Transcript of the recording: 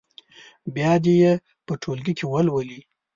بیا دې یې په ټولګي کې ولولي.